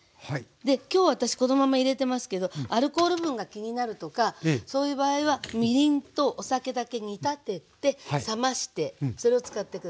今日私このまま入れてますけどアルコール分が気になるとかそういう場合はみりんとお酒だけ煮立てて冷ましてそれを使って下さい。